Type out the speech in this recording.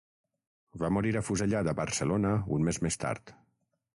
Va morir afusellat a Barcelona un mes més tard.